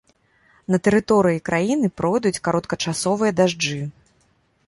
На тэрыторыі краіны пройдуць кароткачасовыя дажджы.